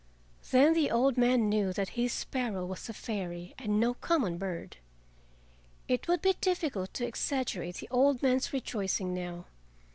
Then the old man knew that his sparrow was a fairy, and no common bird. It would be difficult to exaggerate the old man's rejoicing now.